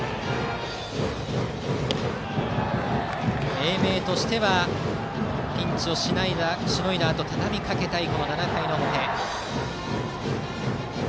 英明としてはピンチをしのいだあとたたみかけたい、この７回の表。